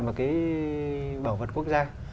mà cái bảo vật quốc gia